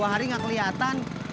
hari hari nggak kelihatan